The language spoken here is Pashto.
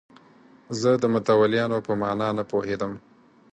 زه د متولیانو په معنی نه پوهېدم.